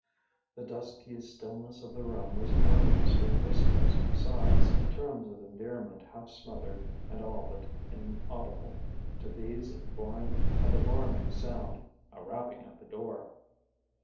The dusky stillness of the room was murmurous with whispers, sighs, terms of endearment half smothered and all but inaudible. To these a foreign and alarming sound: a rapping at the door.